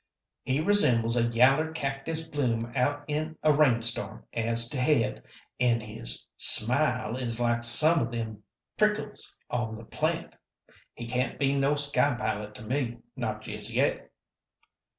He resembles a yaller cactus bloom out in a rain storm as to head, an' his smile is like some of them prickles on the plant. He can't be no 'sky pilot' to me, not just yet."